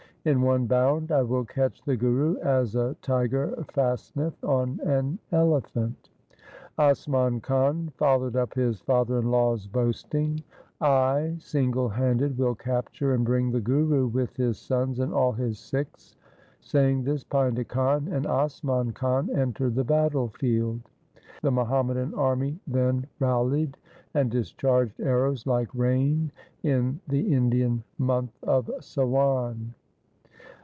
In one bound I will catch the Guru as a tiger fasteneth on an elephant.' Asman Khan followed up his father in law's boasting :' I, single handed, will capture and bring the Guru with his sons and all his Sikhs.' Saying this, Painda Khan and Asman Khan entered the battle field. The Muhammadan army then rallied and discharged arrows like rain in the Indian month of Sawan.